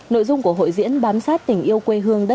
nội dung của hội diễn bám sát tình yêu quê hương đất